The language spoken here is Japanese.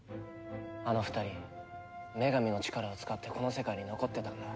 あの２人女神の力を使ってこの世界に残ってたんだ。